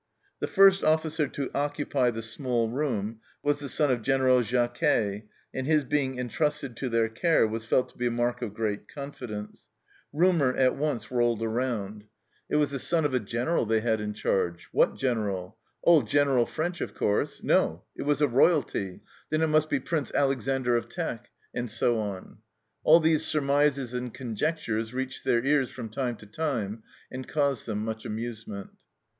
The first officer to occupy the small room was the son of General Jacquez, and his being entrusted to their care was felt to be a mark of great confidence. Rumour at once rolled around. " It 30 234 THE CELLAR HOUSE OF PERVYSE was the son of a General they had in charge. What General ? Oh, General French, of course. No, it was a royalty. Then it must be Prince Alexander of Teck." And so on. All these surmises and conjectures reached their ears from time to time, and caused them much amusement.